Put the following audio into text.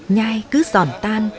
nhai cứ giòn tan